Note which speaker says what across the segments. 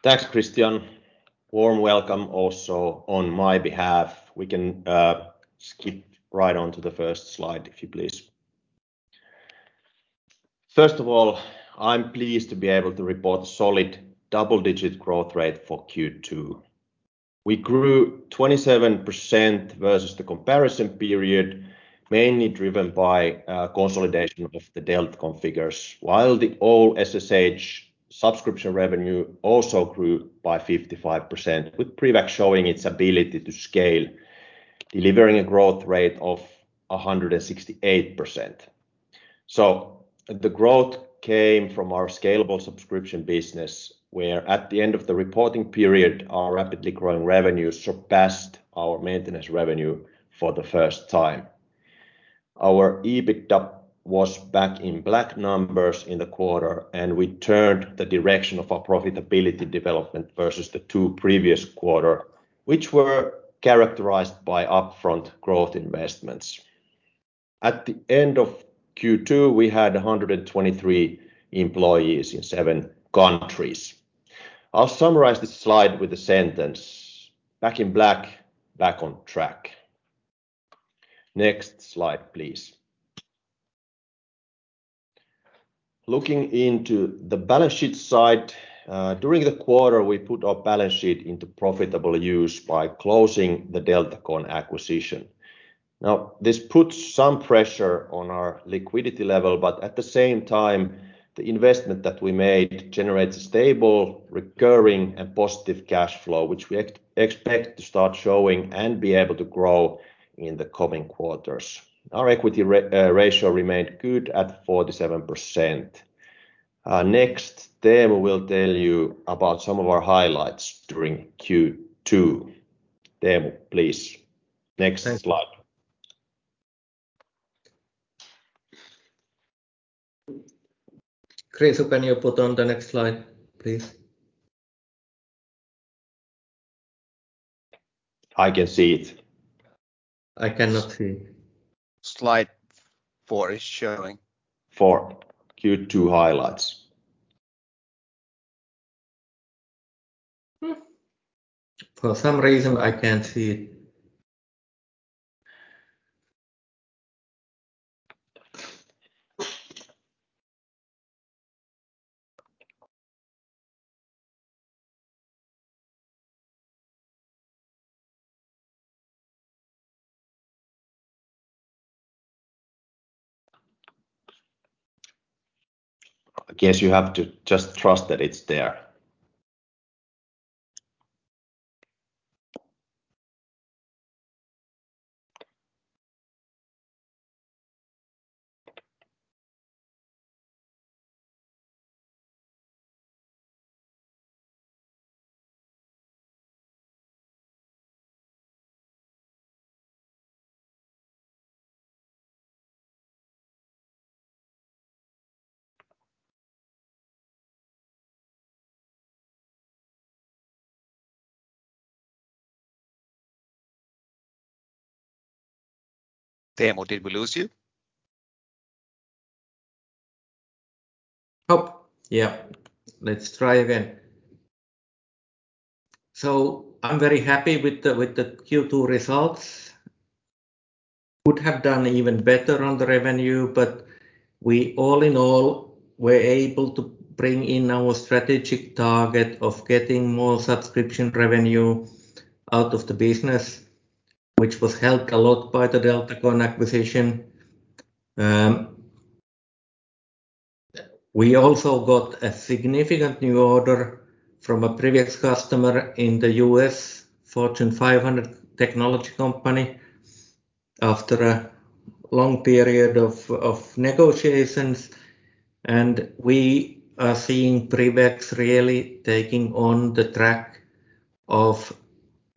Speaker 1: Thanks, Christian. Warm welcome also on my behalf. We can skip right on to the first slide, if you please. First of all, I'm pleased to be able to report solid double-digit growth rate for Q2. We grew 27% versus the comparison period, mainly driven by consolidation of the Deltagon figures. While the old SSH subscription revenue also grew by 55%, with PrivX showing its ability to scale, delivering a growth rate of 168%. The growth came from our scalable subscription business, where at the end of the reporting period, our rapidly growing revenues surpassed our maintenance revenue for the first time. Our EBITDA was back in black numbers in the quarter, and we turned the direction of our profitability development versus the two previous quarters, which were characterized by upfront growth investments. At the end of Q2, we had 123 employees in seven countries. I'll summarize this slide with a sentence. Back in black, back on track. Next slide, please. Looking into the balance sheet side. During the quarter, we put our balance sheet into profitable use by closing the Deltagon acquisition. This puts some pressure on our liquidity level, but at the same time, the investment that we made generates a stable, recurring and positive cash flow, which we expect to start showing and be able to grow in the coming quarters. Our equity ratio remained good at 47%. Next, Teemu will tell you about some of our highlights during Q2. Teemu, please, next slide.
Speaker 2: Christian, can you put on the next slide, please?
Speaker 1: I can see it.
Speaker 2: I cannot see.
Speaker 1: Slide 4 is showing for Q2 highlights.
Speaker 2: For some reason, I can't see it.
Speaker 1: I guess you have to just trust that it's there. Teemu, did we lose you?
Speaker 2: Let's try again. I'm very happy with the Q2 results. Could have done even better on the revenue, but we all in all were able to bring in our strategic target of getting more subscription revenue out of the business, which was helped a lot by the Deltagon acquisition. We also got a significant new order from a previous customer in the U.S., Fortune 500 technology company, after a long period of negotiations. We are seeing PrivX really taking on the track of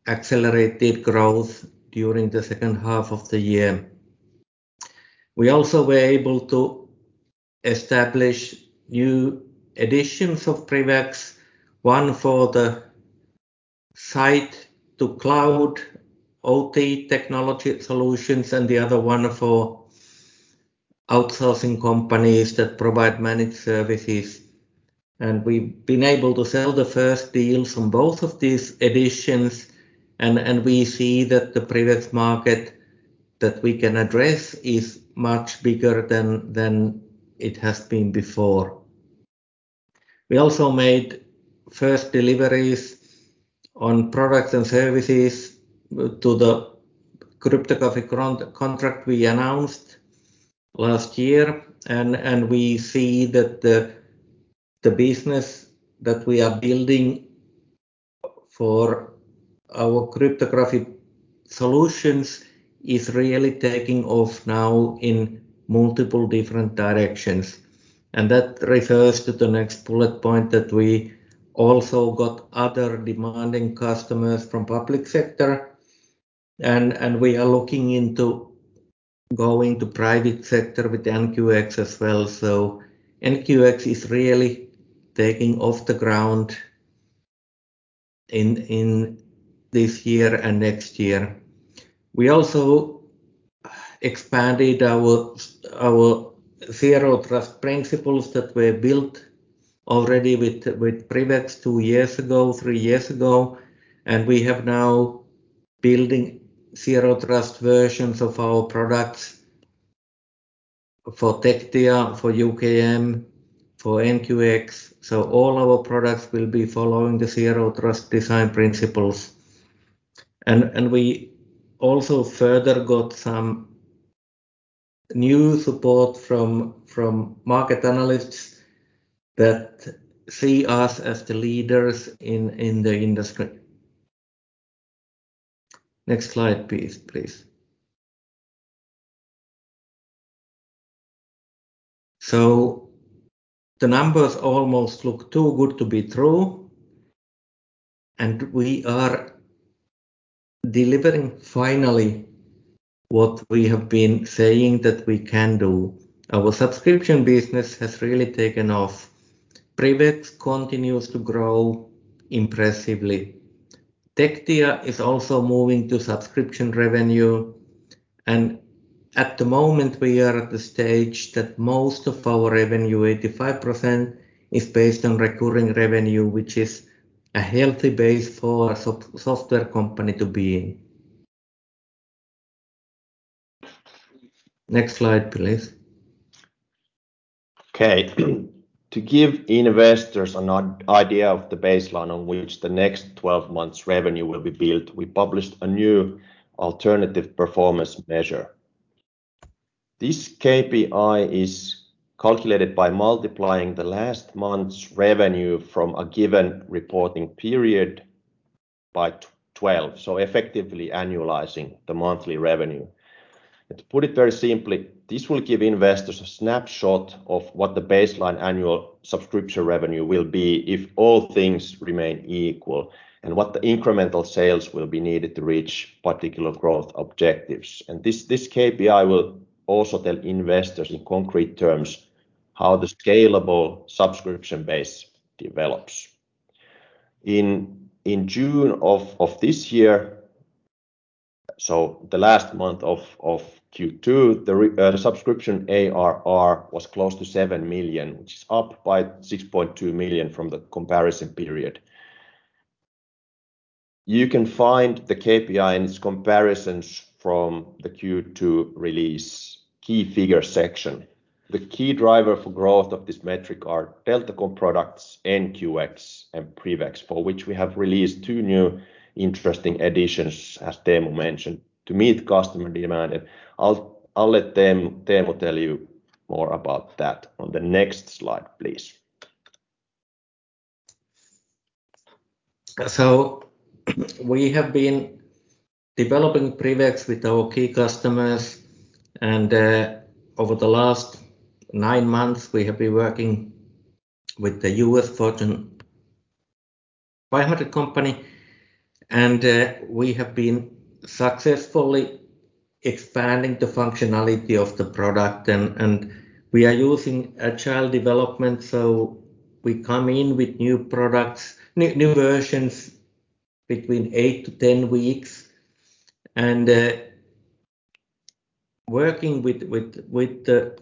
Speaker 2: accelerated growth during the second half of the year. We also were able to establish new editions of PrivX, one for the site to cloud OT technology solutions and the other one for outsourcing companies that provide managed services. We've been able to sell the first deals on both of these editions. We see that the PrivX market that we can address is much bigger than it has been before. We also made first deliveries on products and services to the cryptographic contract we announced last year. We see that the business that we are building for our cryptographic solutions is really taking off now in multiple different directions. That refers to the next bullet point that we also got other demanding customers from public sector. We are looking into going to private sector with NQX as well. NQX is really taking off the ground in this year and next year. We also expanded our zero trust principles that were built already with PrivX 2 years ago, 3 years ago, and we have now building zero trust versions of our products for Tectia, for UKM, for NQX. All our products will be following the zero trust design principles. We also further got some new support from market analysts that see us as the leaders in the industry. Next slide, please. The numbers almost look too good to be true, and we are delivering finally what we have been saying that we can do. Our subscription business has really taken off. PrivX continues to grow impressively. Tectia is also moving to subscription revenue. At the moment, we are at the stage that most of our revenue, 85%, is based on recurring revenue, which is a healthy base for a software company to be in. Next slide, please.
Speaker 1: Okay. To give investors an idea of the baseline on which the next 12 months revenue will be built, we published a new alternative performance measure. This KPI is calculated by multiplying the last month's revenue from a given reporting period by 12, so effectively annualizing the monthly revenue. To put it very simply, this will give investors a snapshot of what the baseline annual subscription revenue will be if all things remain equal, and what the incremental sales will be needed to reach particular growth objectives. This KPI will also tell investors in concrete terms how the scalable subscription base develops. In June of this year, so the last month of Q2, the subscription ARR was close to 7 million, which is up by 6.2 million from the comparison period. You can find the KPI and its comparisons from the Q2 release key figures section. The key driver for growth of this metric are Deltagon products, NQX and PrivX, for which we have released two new interesting editions, as Teemu mentioned, to meet customer demand. I'll let Teemu tell you more about that on the next slide, please.
Speaker 2: We have been developing PrivX with our key customers, and over the last nine months, we have been working with the U.S. Fortune 500 company, and we have been successfully expanding the functionality of the product. We are using agile development, so we come in with new versions between 8-10 weeks. Working with the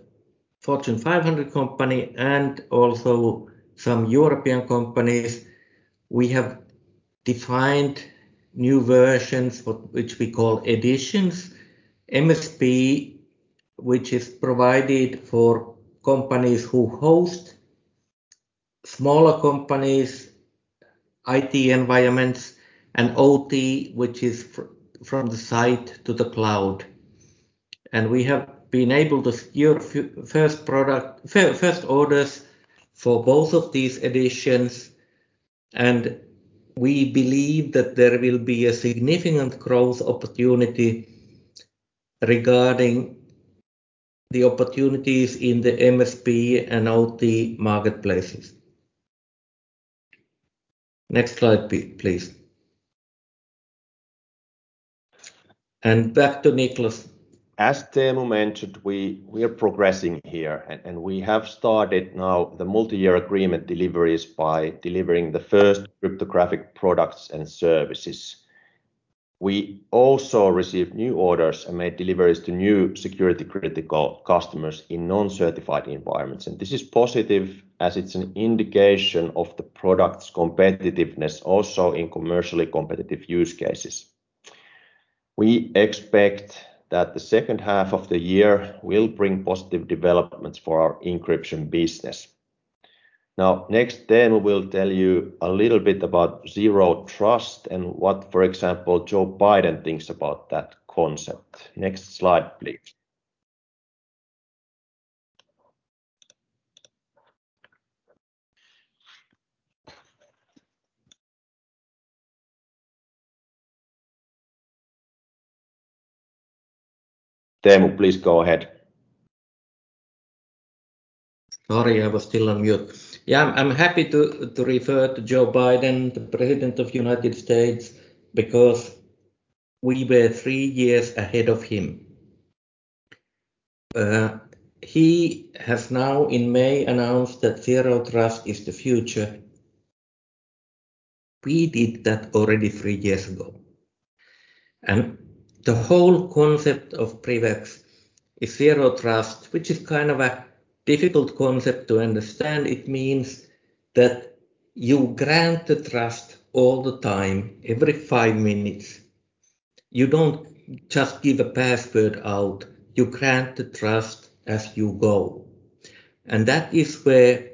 Speaker 2: Fortune 500 company and also some European companies, we have defined new versions, which we call editions. MSP, which is provided for companies who host smaller companies' IT environments, and OT, which is from the site to the cloud. We have been able to secure first orders for both of these editions, and we believe that there will be a significant growth opportunity regarding the opportunities in the MSP and OT marketplaces. Next slide, please. Back to Niklas.
Speaker 1: As Teemu mentioned, we are progressing here and we have started now the multi-year agreement deliveries by delivering the first cryptographic products and services. We also received new orders and made deliveries to new security-critical customers in non-certified environments. This is positive, as it's an indication of the product's competitiveness also in commercially competitive use cases. We expect that the second half of the year will bring positive developments for our encryption business. Now, next, Teemu will tell you a little bit about zero trust and what, for example, Joe Biden thinks about that concept. Next slide, please. Teemu, please go ahead.
Speaker 2: Sorry, I was still on mute. Yeah, I'm happy to refer to Joe Biden, the President of the United States, because we were three years ahead of him. He has now in May announced that zero trust is the future. We did that already three years ago. The whole concept of PrivX is zero trust, which is kind of a difficult concept to understand. It means that you grant the trust all the time, every five minutes. You don't just give a password out. You grant the trust as you go. That is where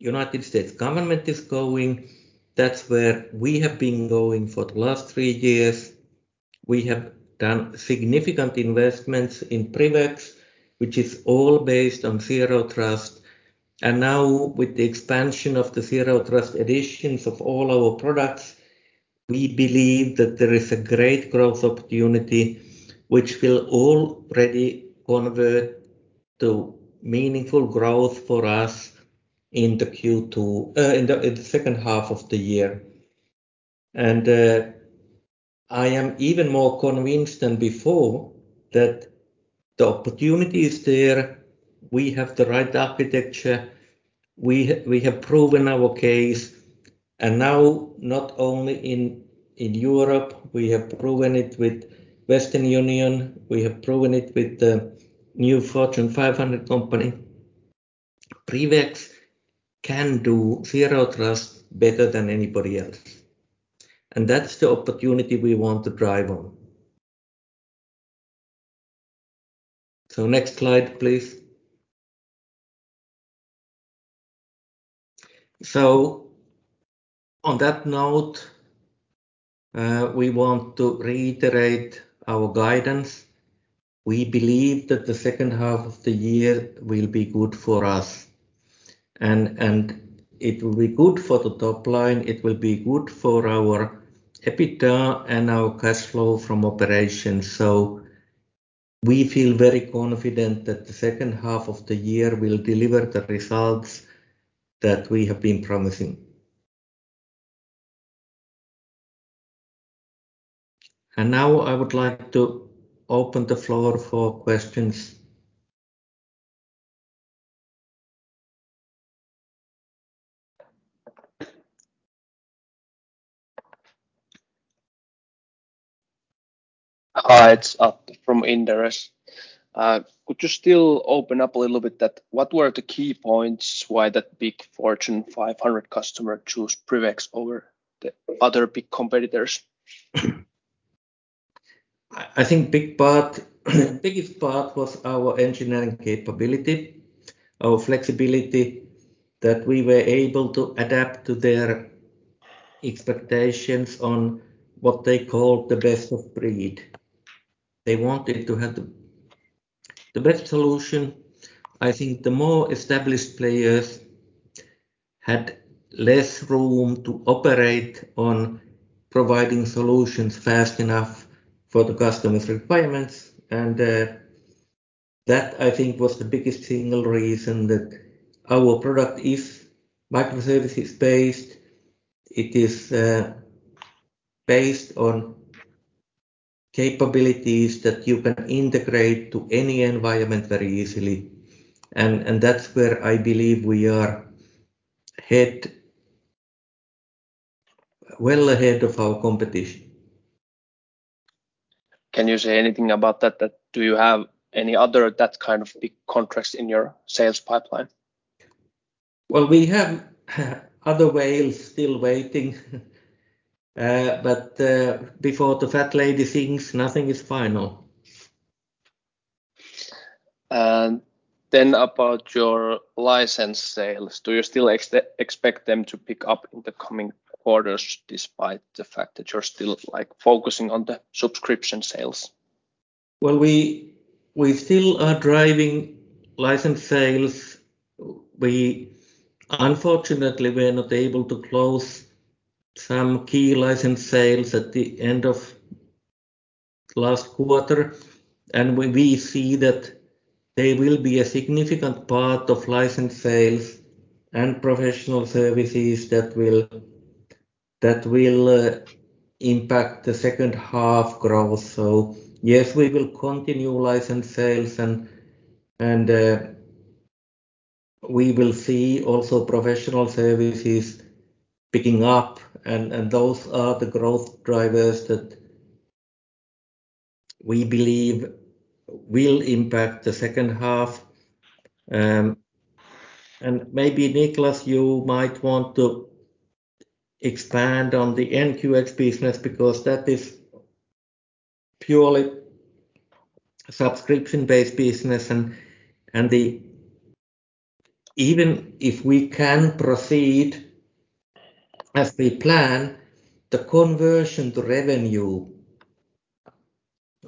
Speaker 2: United States government is going. That's where we have been going for the last three years. We have done significant investments in PrivX, which is all based on zero trust. Now with the expansion of the zero trust editions of all our products, we believe that there is a great growth opportunity which will already convert to meaningful growth for us in the second half of the year. I am even more convinced than before that the opportunity is there. We have the right architecture. We have proven our case. Now not only in Europe, we have proven it with Western Union, we have proven it with the new Fortune 500 company. PrivX can do zero trust better than anybody else. That's the opportunity we want to drive on. Next slide, please. On that note, we want to reiterate our guidance. We believe that the second half of the year will be good for us. It will be good for the top line. It will be good for our EBITDA and our cash flow from operations. We feel very confident that the second half of the year will deliver the results that we have been promising. Now I would like to open the floor for questions.
Speaker 3: Hi, it's Atte from Inderes. Could you still open up a little bit that what were the key points why that big Fortune 500 customer chose PrivX over the other big competitors?
Speaker 2: I think biggest part was our engineering capability, our flexibility that we were able to adapt to their expectations on what they call the best of breed. They wanted to have the best solution. I think the more established players had less room to operate on providing solutions fast enough for the customer's requirements. That I think was the biggest single reason that our product is microservices-based. It is based on capabilities that you can integrate to any environment very easily. That's where I believe we are well ahead of our competition.
Speaker 3: Can you say anything about that? Do you have any other that kind of big contracts in your sales pipeline?
Speaker 2: Well, we have other whales still waiting. Before the fat lady sings, nothing is final.
Speaker 3: About your license sales, do you still expect them to pick up in the coming quarters despite the fact that you're still focusing on the subscription sales?
Speaker 2: Well, we still are driving license sales. Unfortunately, we're not able to close some key license sales at the end of last quarter. We see that they will be a significant part of license sales and professional services that will impact the second half growth. Yes, we will continue license sales and we will see also professional services picking up. Those are the growth drivers that we believe will impact the second half. Maybe Niklas, you might want to expand on the NQX business because that is purely subscription-based business. Even if we can proceed as we plan, the conversion to revenue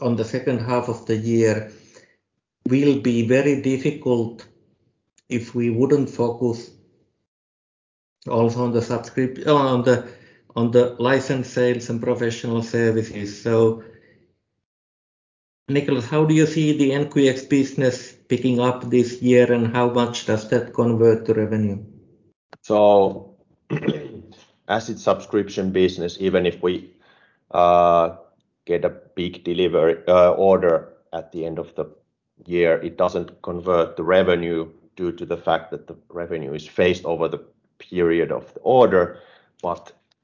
Speaker 2: on the second half of the year will be very difficult if we wouldn't focus also on the license sales and professional services. Niklas, how do you see the NQX business picking up this year, and how much does that convert to revenue?
Speaker 1: As a subscription business, even if we get a big delivery order at the end of the year, it doesn't convert the revenue due to the fact that the revenue is phased over the period of the order.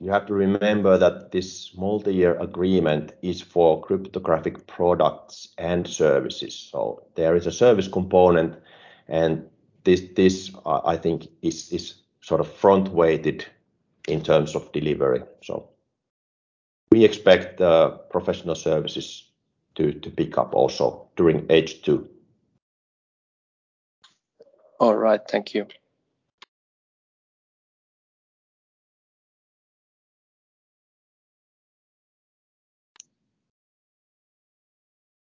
Speaker 1: You have to remember that this multi-year agreement is for cryptographic products and services. There is a service component, and this, I think, is front-weighted in terms of delivery. We expect professional services to pick up also during H2.
Speaker 3: All right. Thank you.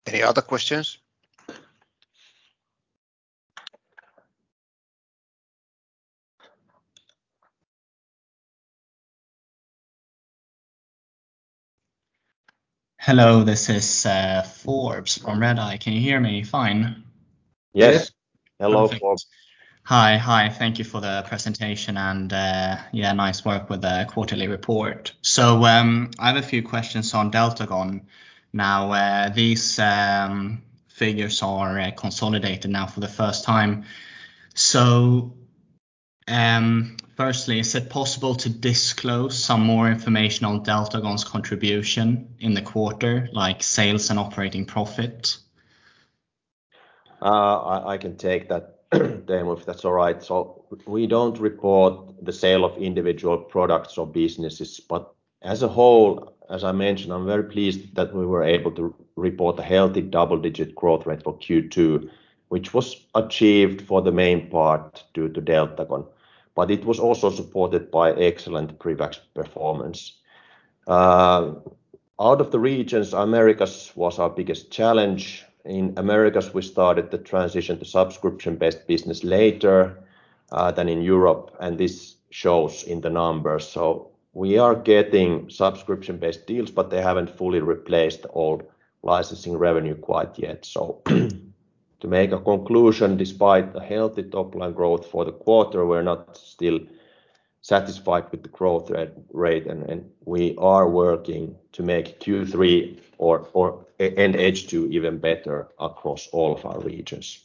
Speaker 1: Any other questions?
Speaker 4: Hello, this is Forbes from Redeye. Can you hear me fine?
Speaker 1: Yes.
Speaker 4: Good.
Speaker 1: Hello, Forbes.
Speaker 4: Hi. Thank you for the presentation and nice work with the quarterly report. I have a few questions on Deltagon. These figures are consolidated now for the first time. Firstly, is it possible to disclose some more information on Deltagon's contribution in the quarter, like sales and operating profit?
Speaker 1: I can take that, Teemu, if that's all right. We don't report the sale of individual products or businesses, but as a whole, as I mentioned, I'm very pleased that we were able to report a healthy double-digit growth rate for Q2, which was achieved for the main part due to Deltagon. It was also supported by excellent PrivX performance. Out of the regions, Americas was our biggest challenge. In Americas, we started the transition to subscription-based business later than in Europe, and this shows in the numbers. We are getting subscription-based deals, but they haven't fully replaced all licensing revenue quite yet. To make a conclusion, despite the healthy top-line growth for the quarter, we're not still satisfied with the growth rate, and we are working to make Q3 or H2 even better across all of our regions.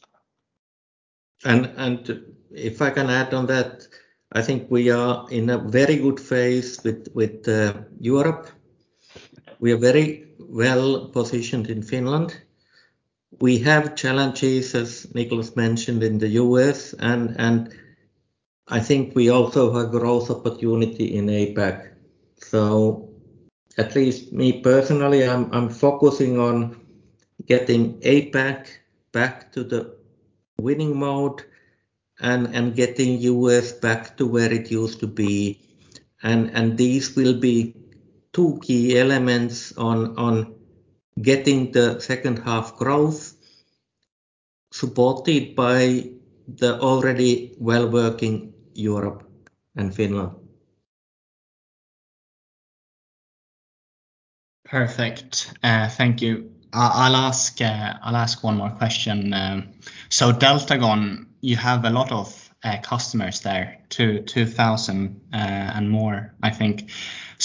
Speaker 2: If I can add on that, I think we are in a very good phase with Europe. We are very well-positioned in Finland. We have challenges, as Niklas mentioned, in the U.S., and I think we also have growth opportunity in APAC. At least me personally, I'm focusing on getting APAC back to the winning mode and getting U.S. back to where it used to be. These will be two key elements on getting the second half growth supported by the already well-working Europe and Finland.
Speaker 4: Perfect. Thank you. I'll ask one more question. Deltagon, you have a lot of customers there, 2,000 and more, I think.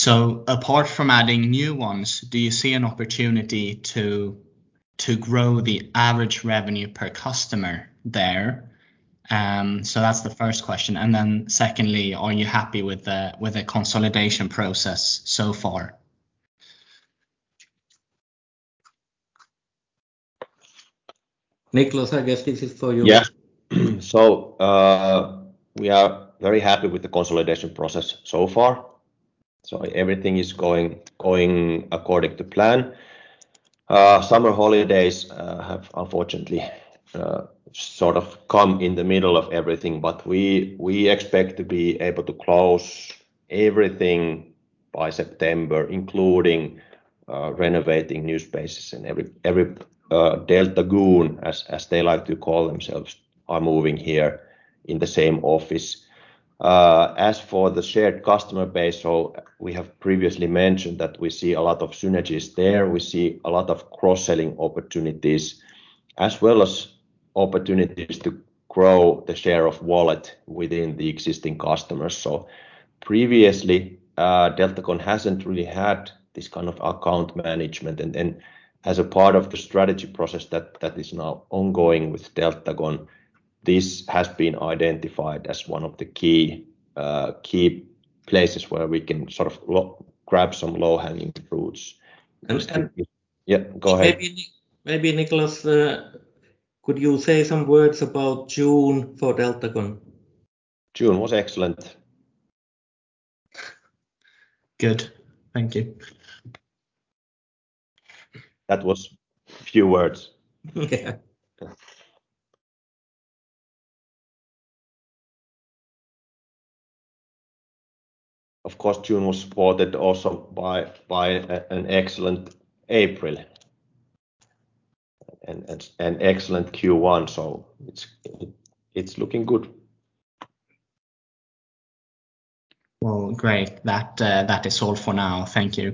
Speaker 4: Apart from adding new ones, do you see an opportunity to grow the average revenue per customer there? That's the first question. Secondly, are you happy with the consolidation process so far?
Speaker 2: Niklas, I guess this is for you.
Speaker 1: Yeah. We are very happy with the consolidation process so far. Everything is going according to plan. Summer holidays have unfortunately sort of come in the middle of everything, but we expect to be able to close everything by September, including renovating new spaces and every Deltagon, as they like to call themselves, are moving here in the same office. As for the shared customer base, we have previously mentioned that we see a lot of synergies there. We see a lot of cross-selling opportunities, as well as opportunities to grow the share of wallet within the existing customers. Previously, Deltagon hasn't really had this kind of account management, and as a part of the strategy process that is now ongoing with Deltagon, this has been identified as one of the key places where we can grab some low-hanging fruits. Yeah, go ahead.
Speaker 2: Maybe Niklas, could you say some words about June for Deltagon?
Speaker 1: June was excellent.
Speaker 4: Good. Thank you.
Speaker 1: That was few words.
Speaker 4: Yeah.
Speaker 1: Of course, June was supported also by an excellent April and an excellent Q1, so it's looking good.
Speaker 4: Great. That is all for now. Thank you.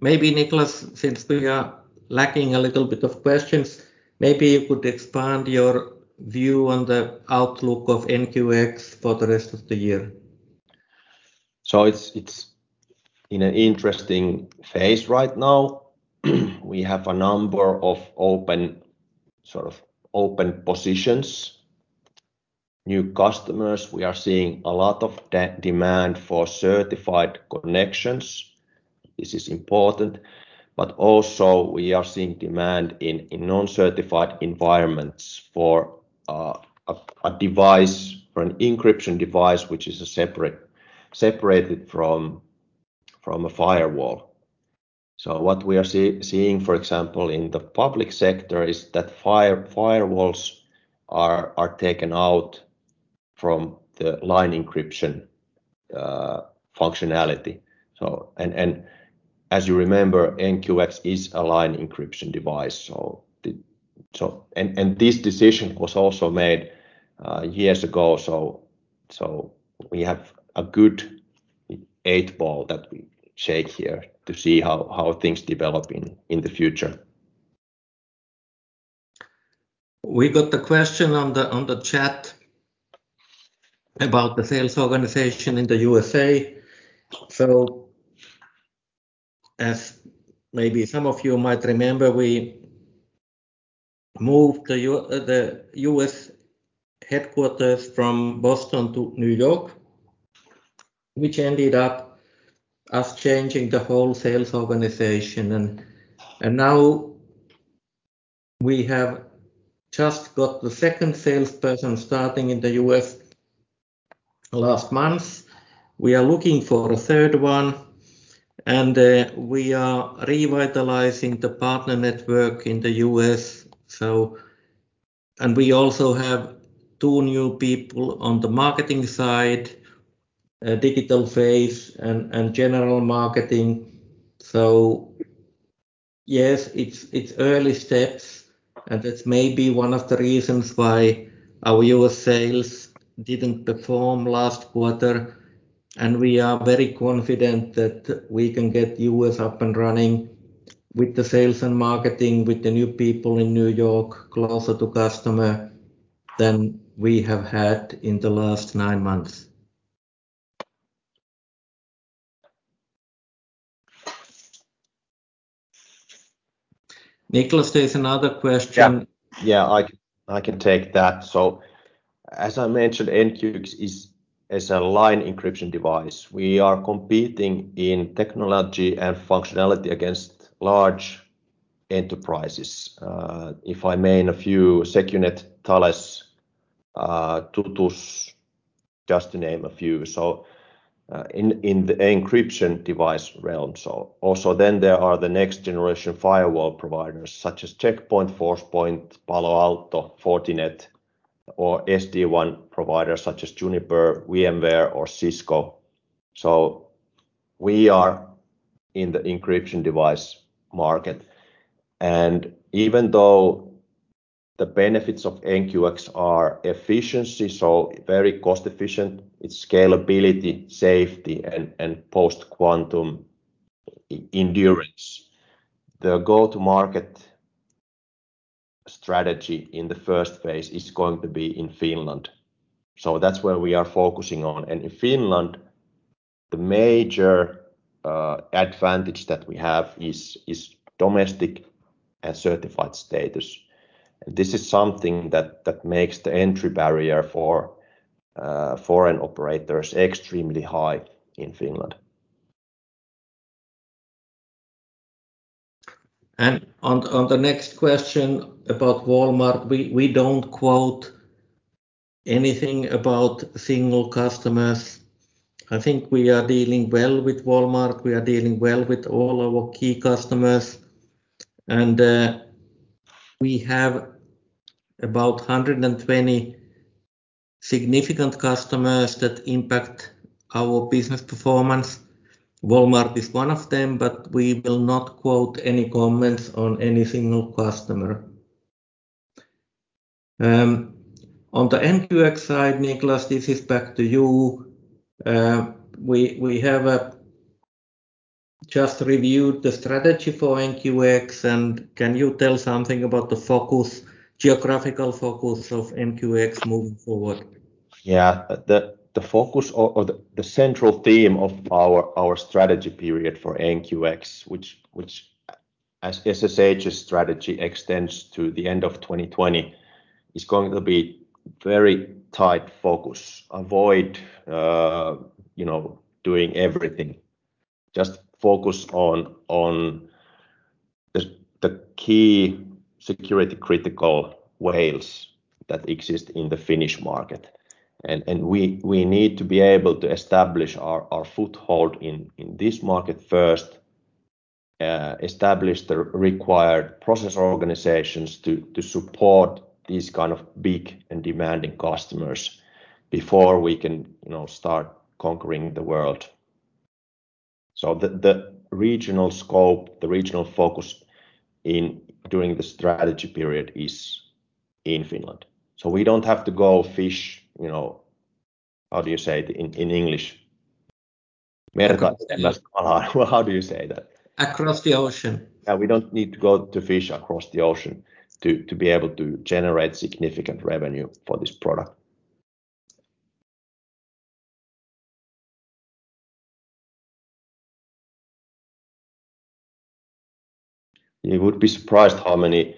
Speaker 2: Maybe Niklas, since we are lacking a little bit of questions, maybe you could expand your view on the outlook of NQX for the rest of the year?
Speaker 1: It's in an interesting phase right now. We have a number of open positions, new customers. We are seeing a lot of demand for certified connections. This is important. Also, we are seeing demand in non-certified environments for an encryption device, which is separated from a firewall. What we are seeing, for example, in the public sector is that firewalls are taken out from the line encryption functionality. As you remember, NQX is a line encryption device. This decision was also made years ago, so we have a good eight ball that we shake here to see how things develop in the future.
Speaker 2: We got the question on the chat about the sales organization in the U.S.A. As maybe some of you might remember, we moved the U.S. headquarters from Boston to New York, which ended up us changing the whole sales organization. Now we have just got the second salesperson starting in the U.S. last month. We are looking for a third one, and we are revitalizing the partner network in the U.S. We also have two new people on the marketing side, digital phase and general marketing. Yes, it's early steps and that's maybe one of the reasons why our U.S. sales didn't perform last quarter. We are very confident that we can get U.S. up and running with the sales and marketing with the new people in New York closer to customer than we have had in the last nine months. Niklas, there's another question.
Speaker 1: I can take that. As I mentioned, NQX is a line encryption device. We are competing in technology and functionality against large enterprises. If I name a few, secunet, Thales, Tutus, in the encryption device realm. There are the next generation firewall providers such as Check Point, Forcepoint, Palo Alto, Fortinet or SD-WAN providers such as Juniper, VMware or Cisco. We are in the encryption device market and even though the benefits of NQX are efficiency, very cost efficient, its scalability, safety, and post-quantum endurance. The go-to market strategy in the first phase is going to be in Finland. That's where we are focusing on. In Finland, the major advantage that we have is domestic and certified status. This is something that makes the entry barrier for foreign operators extremely high in Finland.
Speaker 2: On the next question about Walmart, we don't quote anything about single customers. I think we are dealing well with Walmart. We are dealing well with all our key customers. We have about 120 significant customers that impact our business performance. Walmart is one of them, but we will not quote any comments on any single customer. On the NQX side, Niklas, this is back to you. We have just reviewed the strategy for NQX and can you tell something about the geographical focus of NQX moving forward?
Speaker 1: Yeah. The central theme of our strategy period for NQX, which as SSH's strategy extends to the end of 2020, is going to be very tight focus. Avoid doing everything. Just focus on the key security critical whales that exist in the Finnish market. We need to be able to establish our foothold in this market first, establish the required process organizations to support these kind of big and demanding customers before we can start conquering the world. The regional scope, the regional focus during the strategy period is in Finland. We don't have to go fish, how do you say it in English? How do you say that?
Speaker 2: Across the ocean.
Speaker 1: Yeah, we don't need to go to fish across the ocean to be able to generate significant revenue for this product. You would be surprised how many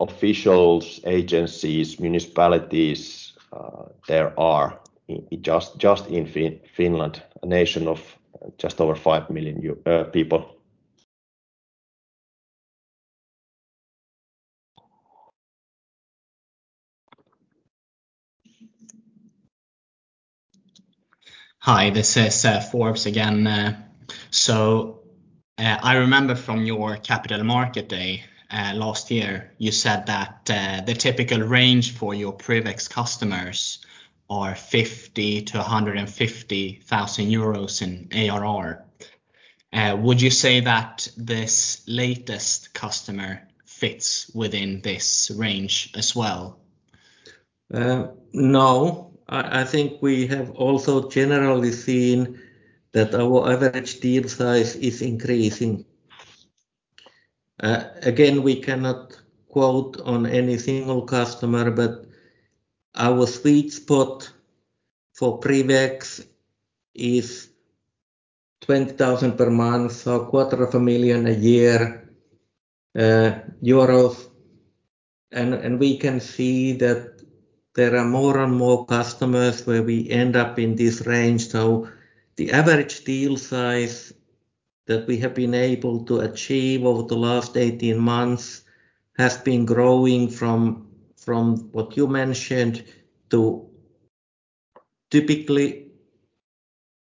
Speaker 1: officials, agencies, municipalities there are just in Finland, a nation of just over 5 million people.
Speaker 4: Hi, this is Forbes again. I remember from your capital market day last year, you said that the typical range for your PrivX customers are 50,000-150,000 euros in ARR. Would you say that this latest customer fits within this range as well?
Speaker 2: No. I think we have also generally seen that our average deal size is increasing. Again, we cannot quote on any single customer, but our sweet spot for PrivX is 20,000 per month or quarter of a million a year euros. We can see that there are more and more customers where we end up in this range. The average deal size that we have been able to achieve over the last 18 months has been growing from what you mentioned to typically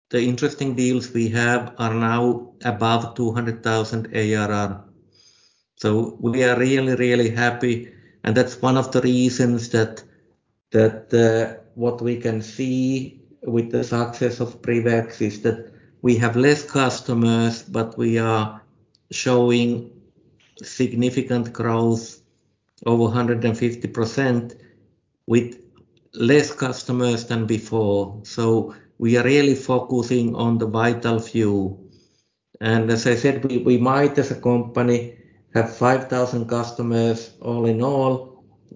Speaker 2: the interesting deals we have are now above 200,000 ARR. We are really happy, and that's one of the reasons that what we can see with the success of PrivX is that we have less customers, but we are showing significant growth over 150% with less customers than before. We are really focusing on the vital few. As I said, we might as a company have 5,000 customers all in all.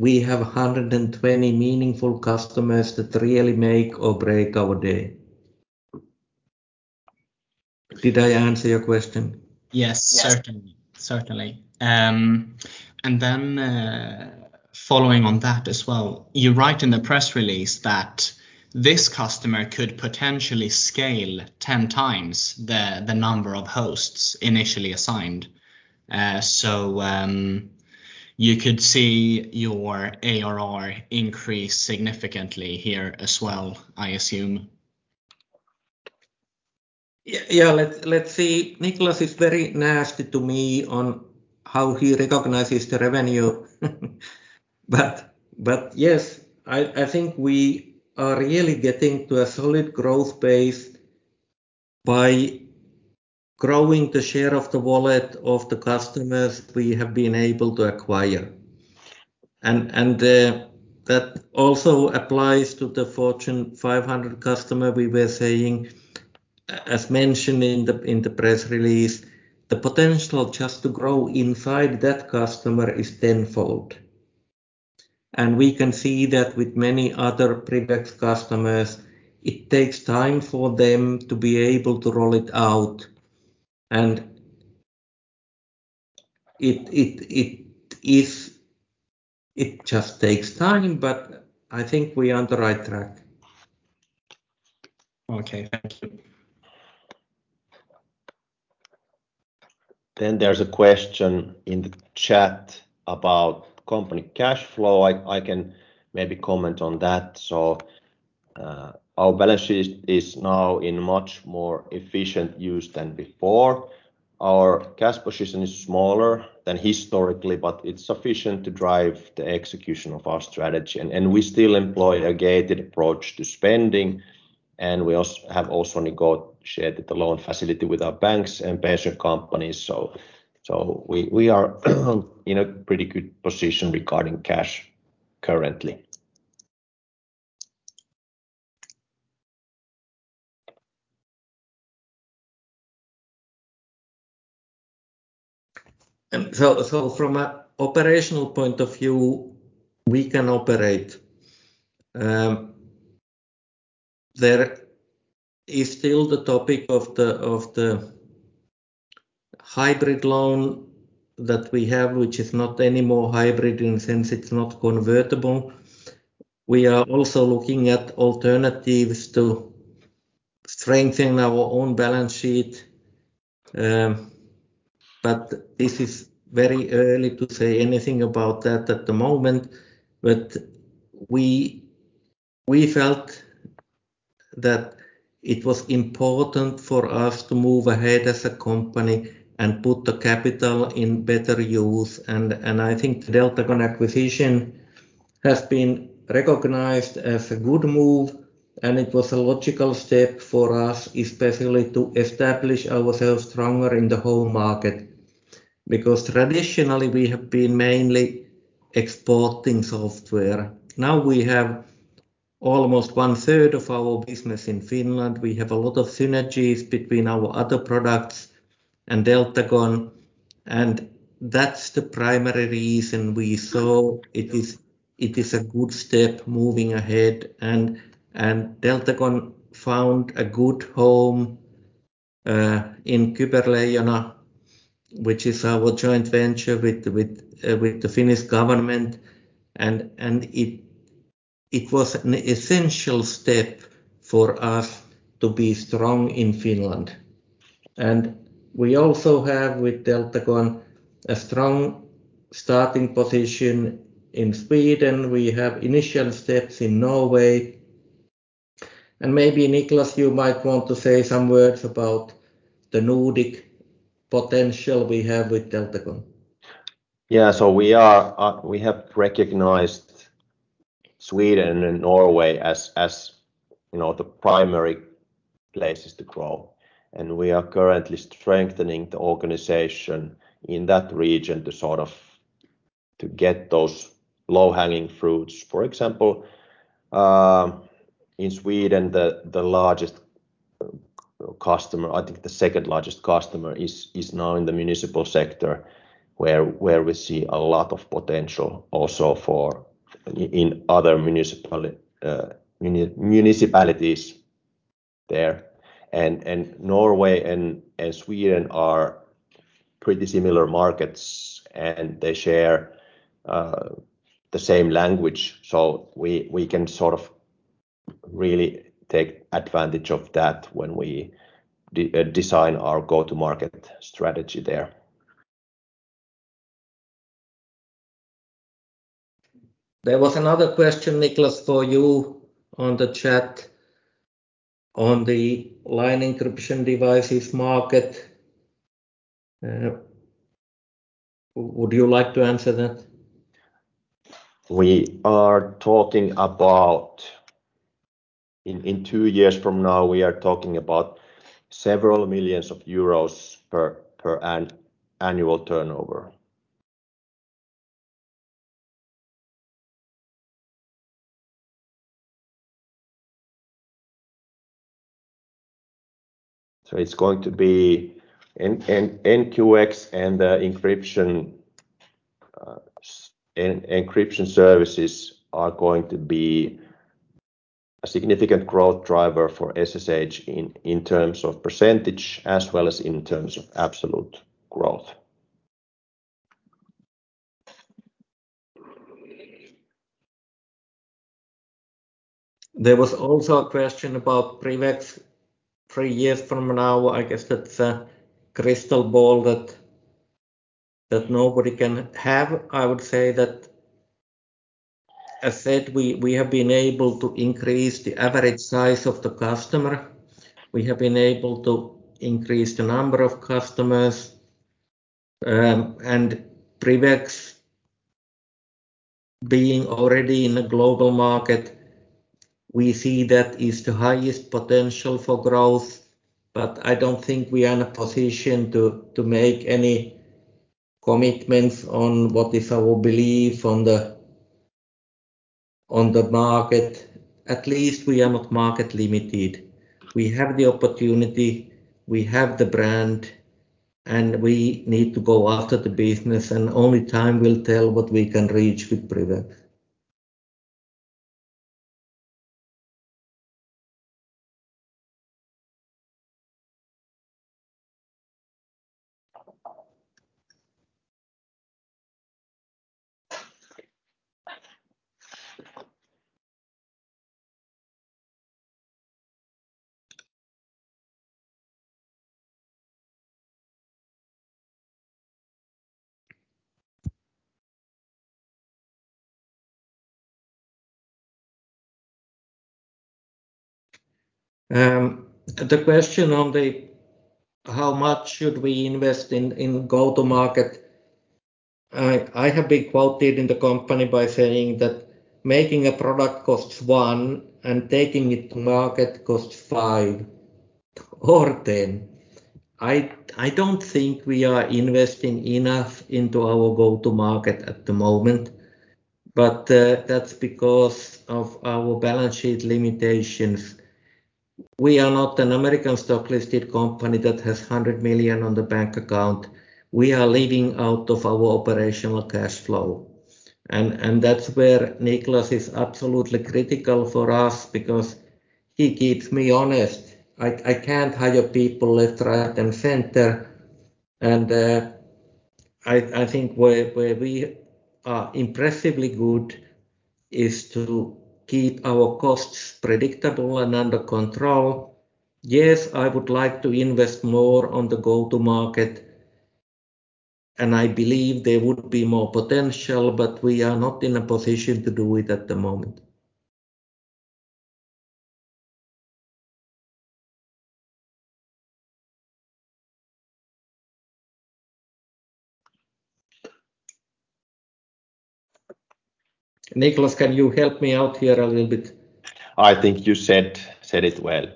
Speaker 2: We have 120 meaningful customers that really make or break our day. Did I answer your question?
Speaker 4: Yes, certainly. Following on that as well, you write in the press release that this customer could potentially scale 10 times the number of hosts initially assigned. You could see your ARR increase significantly here as well, I assume.
Speaker 2: Yeah. Let's see. Niklas is very nasty to me on how he recognizes the revenue. But yes, I think we are really getting to a solid growth base by growing the share of the wallet of the customers we have been able to acquire. That also applies to the Fortune 500 customer we were saying, as mentioned in the press release, the potential just to grow inside that customer is tenfold. We can see that with many other PrivX customers, it takes time for them to be able to roll it out, and it just takes time, but I think we're on the right track.
Speaker 4: Okay. Thank you.
Speaker 1: There's a question in the chat about company cash flow. I can maybe comment on that. Our balance sheet is now in much more efficient use than before. Our cash position is smaller than historically, but it's sufficient to drive the execution of our strategy. We still employ a gated approach to spending, and we have also negotiated the loan facility with our banks and pension companies. We are in a pretty good position regarding cash currently.
Speaker 2: From an operational point of view, we can operate. There is still the topic of the hybrid loan that we have, which is not anymore hybrid in the sense it's not convertible. We are also looking at alternatives to strengthen our own balance sheet. This is very early to say anything about that at the moment. We felt that it was important for us to move ahead as a company and put the capital in better use. I think Deltagon acquisition has been recognized as a good move, and it was a logical step for us, especially to establish ourselves stronger in the home market. Traditionally we have been mainly exporting software. Now we have almost one third of our business in Finland. We have a lot of synergies between our other products and Deltagon, and that's the primary reason we saw it is a good step moving ahead. Deltagon found a good home in Kyberleijona, which is our joint venture with the Finnish government. It was an essential step for us to be strong in Finland. We also have, with Deltagon, a strong starting position in Sweden. We have initial steps in Norway. Maybe Niklas, you might want to say some words about the Nordic potential we have with Deltagon.
Speaker 1: Yeah. We have recognized Sweden and Norway as the primary places to grow, and we are currently strengthening the organization in that region to get those low-hanging fruits. For example, in Sweden, the largest customer, I think the second largest customer, is now in the municipal sector, where we see a lot of potential also in other municipalities there. Norway and Sweden are pretty similar markets and they share the same language, so we can really take advantage of that when we design our go-to-market strategy there.
Speaker 2: There was another question, Niklas, for you on the chat on the line encryption devices market. Would you like to answer that?
Speaker 1: We are talking about in two years from now, we are talking about several millions of euros per annual turnover. NQX and the encryption services are going to be a significant growth driver for SSH in terms of percentage as well as in terms of absolute growth.
Speaker 2: There was also a question about PrivX three years from now. I guess that's a crystal ball that nobody can have. I would say that, as said, we have been able to increase the average size of the customer. We have been able to increase the number of customers. PrivX being already in a global market, we see that is the highest potential for growth, but I don't think we are in a position to make any commitments on what is our belief on the market. At least we are not market limited. We have the opportunity, we have the brand, and we need to go after the business, and only time will tell what we can reach with PrivX. The question on the how much should we invest in go-to-market. I have been quoted in the company by saying that making a product costs 1 and taking it to market costs 5 or 10. I don't think we are investing enough into our go-to-market at the moment, but that's because of our balance sheet limitations. We are not a U.S. stock-listed company that has 100 million on the bank account. We are living out of our operational cash flow, and that's where Niklas is absolutely critical for us because he keeps me honest. I can't hire people left, right and center. I think where we are impressively good is to keep our costs predictable and under control. Yes, I would like to invest more on the go-to-market, and I believe there would be more potential, but we are not in a position to do it at the moment. Niklas, can you help me out here a little bit?
Speaker 1: I think you said it well.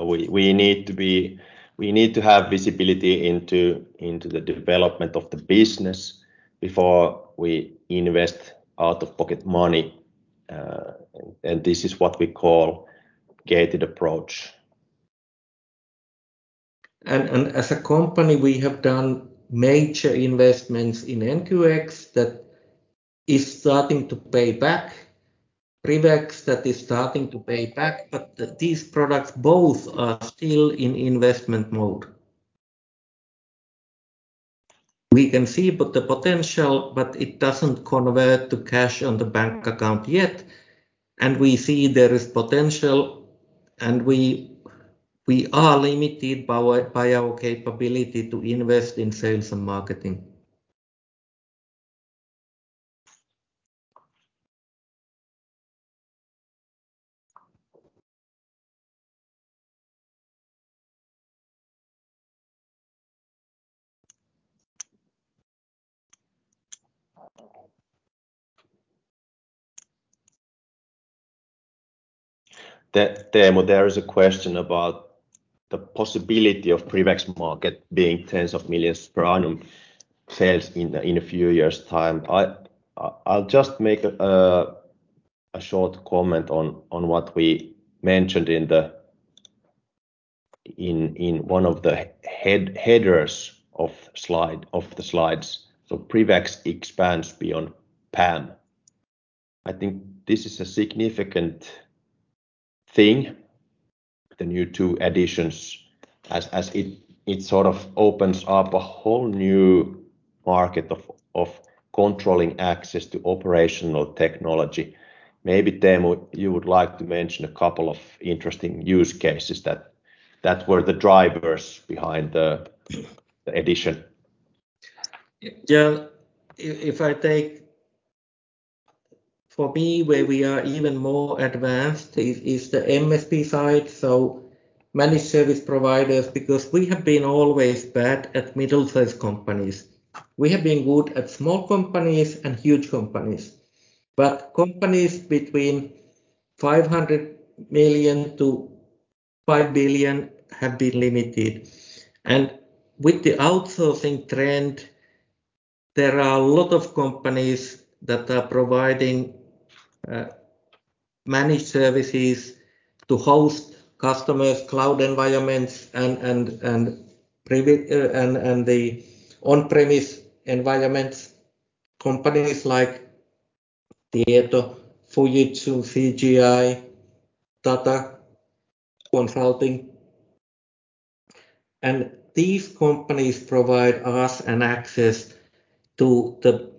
Speaker 1: We need to have visibility into the development of the business before we invest out-of-pocket money, and this is what we call gated approach.
Speaker 2: As a company, we have done major investments in NQX that is starting to pay back, PrivX that is starting to pay back, but these products both are still in investment mode. We can see the potential, but it doesn't convert to cash on the bank account yet. We see there is potential, and we are limited by our capability to invest in sales and marketing.
Speaker 1: Teemu, there is a question about the possibility of PrivX market being EUR tens of millions per annum sales in a few years' time. I'll just make a short comment on what we mentioned in one of the headers of the slides. PrivX expands beyond PAM. I think this is a significant thing, the new two editions, as it sort of opens up a whole new market of controlling access to operational technology. Maybe, Teemu, you would like to mention a couple of interesting use cases that were the drivers behind the edition.
Speaker 2: Yeah. For me, where we are even more advanced is the MSP side, so managed service providers, because we have been always bad at middle-sized companies. We have been good at small companies and huge companies. Companies between 500 million to 5 billion have been limited. With the outsourcing trend, there are a lot of companies that are providing managed services to host customers' cloud environments and the on-premise environments. Companies like Tieto, Fujitsu, CGI, Tata Consulting. These companies provide us an access to the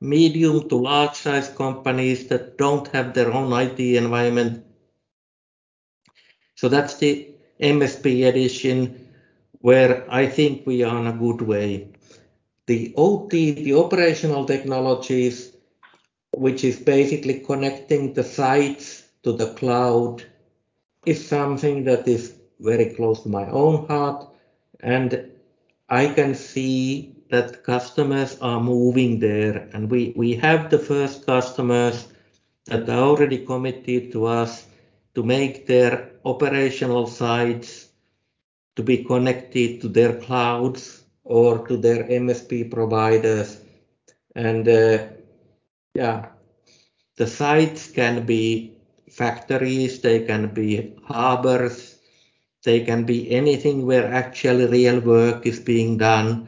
Speaker 2: medium to large-size companies that don't have their own IT environment. That's the MSP edition where I think we are in a good way. The OT, the operational technologies, which is basically connecting the sites to the cloud, is something that is very close to my own heart, and I can see that customers are moving there. We have the first customers that are already committed to us to make their operational sites to be connected to their clouds or to their MSP providers. Yeah, the sites can be factories, they can be harbors, they can be anything where actual real work is being done,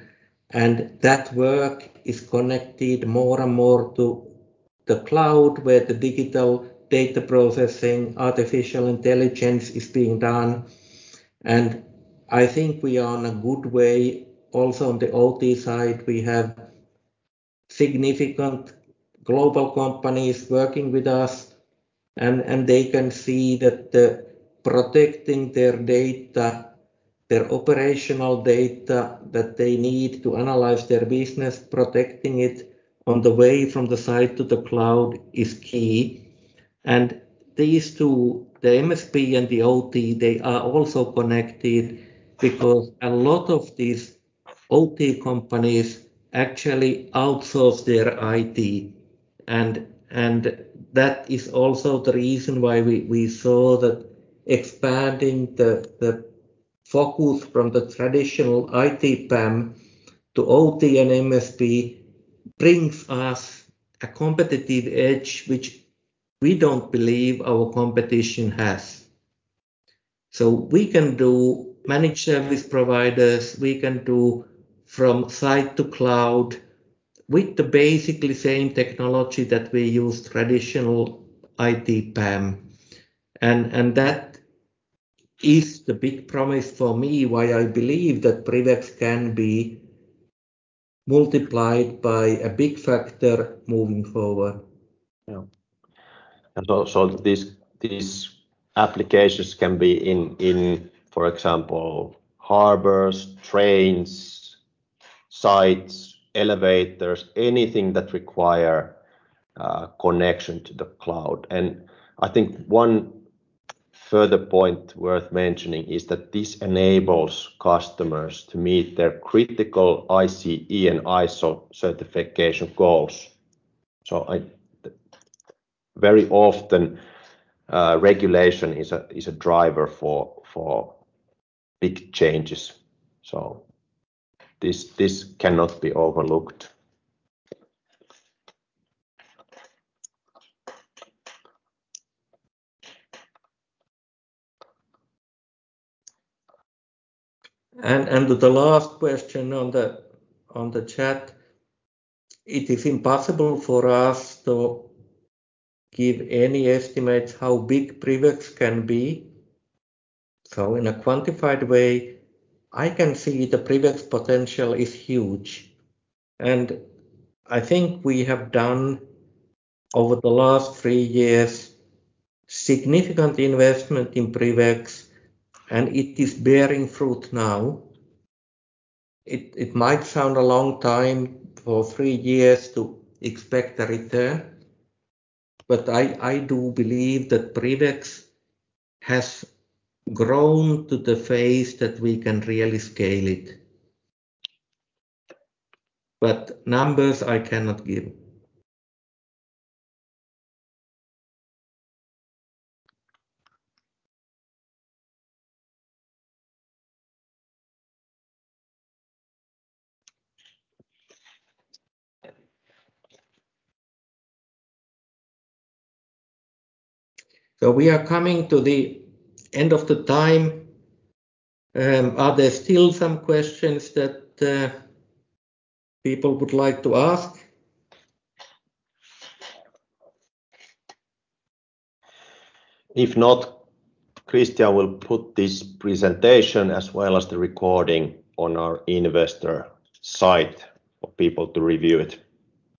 Speaker 2: and that work is connected more and more to the cloud, where the digital data processing, artificial intelligence is being done. I think we are in a good way also on the OT side. We have significant global companies working with us, and they can see that protecting their data, their operational data that they need to analyze their business, protecting it on the way from the site to the cloud is key. These two, the MSP and the OT, they are also connected because a lot of these OT companies actually outsource their IT. That is also the reason why we saw that expanding the focus from the traditional IT PAM to OT and MSP brings us a competitive edge, which we don't believe our competition has. We can do managed service providers, we can do from site to cloud with the basically same technology that we use traditional IT PAM. That is the big promise for me why I believe that PrivX can be multiplied by a big factor moving forward.
Speaker 1: Yeah. Also these applications can be in, for example, harbors, train-sites, elevators, anything that require connection to the cloud. I think one further point worth mentioning is that this enables customers to meet their critical IEC and ISO certification goals. Very often, regulation is a driver for big changes. This cannot be overlooked.
Speaker 2: The last question on the chat. It is impossible for us to give any estimates how big PrivX can be. In a quantified way, I can see the PrivX potential is huge. I think we have done, over the last three years, significant investment in PrivX, and it is bearing fruit now. It might sound a long time for three years to expect a return, but I do believe that PrivX has grown to the phase that we can really scale it. Numbers I cannot give. We are coming to the end of the time. Are there still some questions that people would like to ask?
Speaker 1: If not, Christian will put this presentation as well as the recording on our investor site for people to review it.